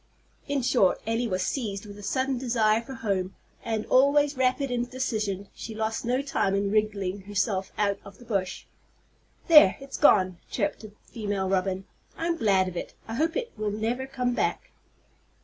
'" In short, Elly was seized with a sudden desire for home, and, always rapid in decision, she lost no time in wriggling herself out of the bush. "There, it's gone!" chirped the female robin. "I'm glad of it. I hope it will never come back."